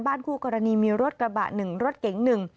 คู่กรณีมีรถกระบะ๑รถเก๋ง๑